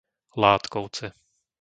Látkovce